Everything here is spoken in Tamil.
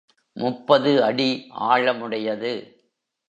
முப்பது அடி ஆழமுடையது.